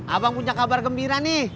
abang punya kabar gembira nih